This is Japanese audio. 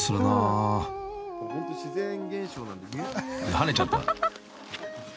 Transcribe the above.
［跳ねちゃった］